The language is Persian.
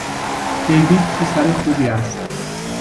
دیوید پسر خوبی است.